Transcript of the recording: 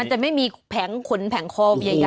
จะไม่มีแผงขนแผงคอใหญ่